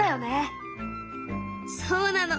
そうなの。